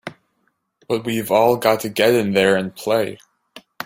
But we've all got to get in there and play!